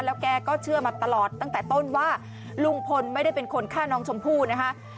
แล้วแกก็เชื่อมาตลอดตั้งแต่ต้นว่าลุงพลไม่ได้เป็นคนฆ่าน้องชมพู่นะคะ